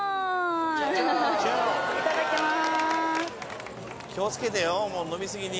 いただきまーす